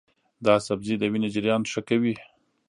دا سبزی د وینې جریان ښه کوي.